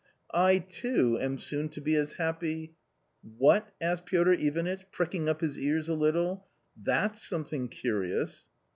I too am soon to be as happy "" What ?" asked Piotr Ivanitch, pricking up his ears a little, "that's something curious."